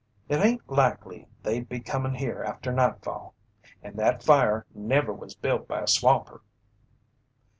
"It hain't likely they'd be comin' here after nightfall. An' that fire never was built by a swamper."